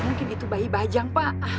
mungkin itu bayi bajang pak